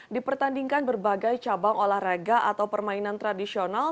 dipertandingkan berbagai cabang olahraga atau permainan tradisional